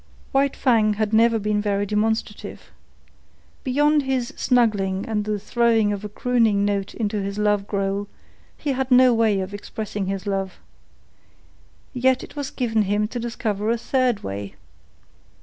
White Fang had never been very demonstrative. Beyond his snuggling and the throwing of a crooning note into his love growl, he had no way of expressing his love. Yet it was given him to discover a third way.